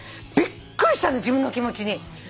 びっくりしたの自分の気持ちに。